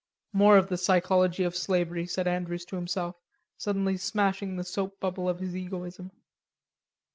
"More of the psychology of slavery," said Andrews to himself, suddenly smashing the soap bubble of his egoism.